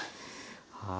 はい。